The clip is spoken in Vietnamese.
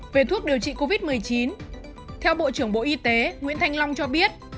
về thuốc điều trị covid một mươi chín theo bộ trưởng bộ y tế nguyễn thanh long cho biết